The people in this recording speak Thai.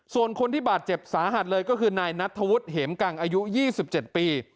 ส่วนคนที่บาดเจ็บสาหัสเลยก็คือนายนัทธวุฒิเหมกังอายุ๒๗ปี